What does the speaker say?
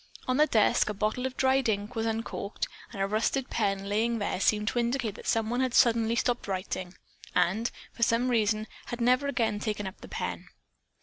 On the desk a bottle of dried ink was uncorked and a rusted pen lying there seemed to indicate that someone had suddenly stopped writing, and, for some reason, had never again taken up the pen.